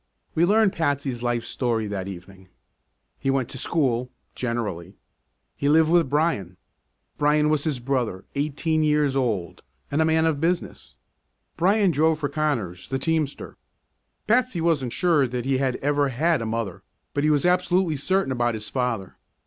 We learned Patsy's life story that evening. He went to school generally. He lived with Brian. Brian was his brother, eighteen years old, and a man of business; Brian drove for Connors, the teamster. Patsy wasn't sure that he had ever had a mother, but he was absolutely certain about his father.